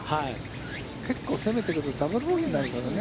結構、攻めてるとダブル・ボギーになるからね。